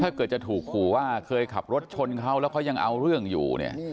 ถ้าเกิดจะถูกขู่ว่าเคยขับรถชนเขาแล้วเขายังเอาเรื่องอยู่เนี่ย